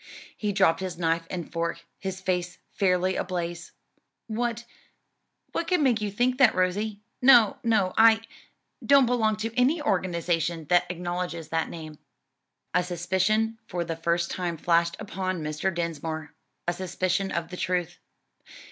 He dropped his knife and fork, his face fairly ablaze, "What what could make you think that, Rosie? No, no, I don't belong to any organization that acknowledges that name." A suspicion for the first time flashed upon Mr. Dinsmore, a suspicion of the truth.